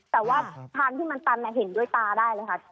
แต่ว่าทางที่มันตันเห็นด้วยตาได้เลยค่ะ